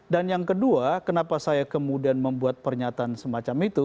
dan yang kedua kenapa saya kemudian membuat pernyataan semacam itu